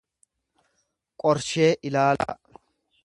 qorshee ilaalaa.